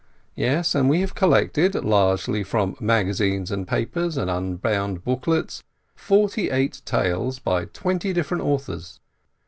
Yes, and we have col lected, largely from magazines and papers and un bound booklets, forty eight tales by twenty different authors.